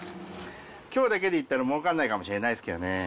きょうだけでいったら儲かんないかもしれないですけどね。